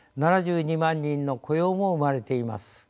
７２万人の雇用も生まれています。